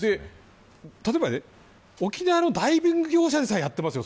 例えばね、沖縄のダイビング業者でさえやっていますよ